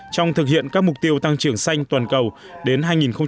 trong thực hiện các mục tiêu tăng trưởng xanh toàn cầu đến hai nghìn ba mươi